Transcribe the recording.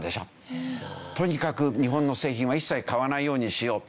とにかく日本の製品は一切買わないようにしよう。